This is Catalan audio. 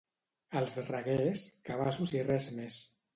Als Reguers, cabassos i res més.